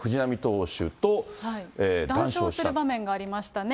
談笑する場面がありましたね。